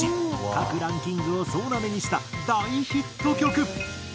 各ランキングを総ナメにした大ヒット曲。